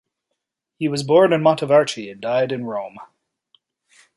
He was born in Montevarchi and died in Rome.